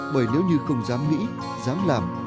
bởi nếu như không dám nghĩ dám làm